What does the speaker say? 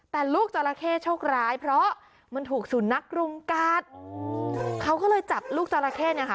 แต่ลูกจราเข้โชคร้ายเพราะมันถูกสุนัขรุมกัดเขาก็เลยจับลูกจราเข้เนี่ยค่ะ